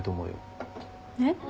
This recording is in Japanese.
えっ？